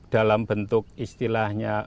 dalam bentuk istilahnya